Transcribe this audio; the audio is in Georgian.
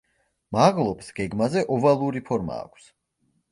მაღლობს გეგმაზე ოვალური ფორმა აქვს.